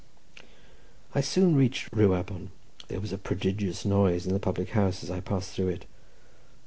I soon reached Rhiwabon. There was a prodigious noise in the public houses as I passed through it.